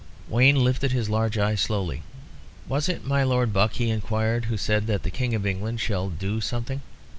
Wayne lifted his large eyes slowly. "Was it my Lord Buck," he inquired, "who said that the King of England 'shall' do something?"